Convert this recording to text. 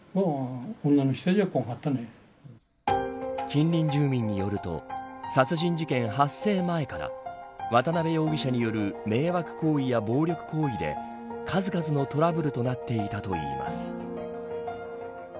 近隣住民によると殺人事件発生前から渡部容疑者による迷惑行為や暴力行為で数々のトラブルとなっていたといいます。